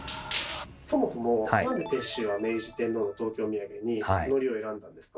そもそもなんで鉄舟は明治天皇の東京みやげに「のり」を選んだんですか？